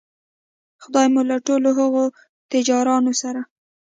خدای مو له ټولو هغو تجارانو سره